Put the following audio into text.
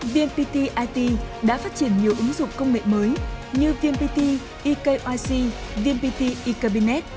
vnpt it đã phát triển nhiều ứng dụng công nghệ mới như vnpt ekyc vnpt ecabinet